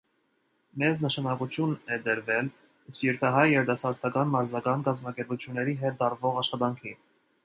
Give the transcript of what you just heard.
Մեծ նշանակություն է տրվել սփյուռքահայ երիտասարդական, մարզական կազմակերպությունների հետ տարվող աշխատանքին։